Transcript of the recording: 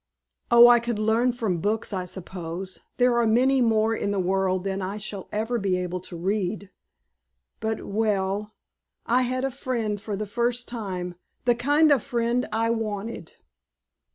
"Oh, I could learn from books, I suppose. There are many more in the world than I shall ever be able to read. But well, I had a friend for the first time the kind of friend I wanted."